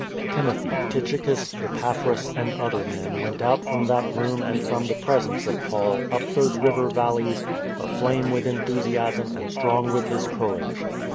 Timothy, Tychicus, Epaphras, and other men went out from that room and from the presence of Paul up those river valleys, aflame with enthusiasm and strong with his courage.